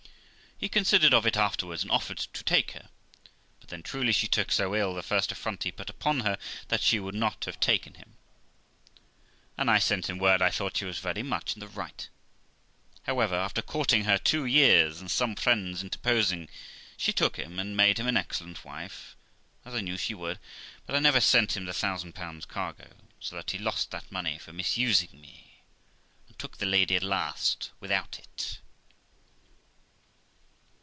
He considered of it afterwards, and offered to take her ; but then truly she took so ill the first affront he put upon her, that she would not have him, and I sent him word I thought she was very much in the right. However, after courting her two years, and some friends interposing, she took him, and made him an excellent wife, as I knew she would, but I never sent him the thousand pounds cargo, so that he lost that money for misusing me, and took the lady at last without it.